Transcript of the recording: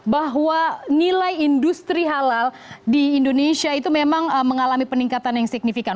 bahwa nilai industri halal di indonesia itu memang mengalami peningkatan yang signifikan